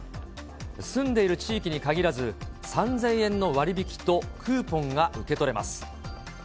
住んでいる地域に限らず、３０００円の割引とクーポンが受け取れます。